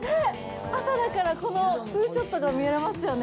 朝だから、このツーショットが見れますよね。